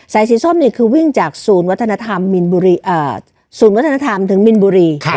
สายสีส้มนี่คือวิ่งจากศูนย์วัฒนธรรมถึงมิลบุรี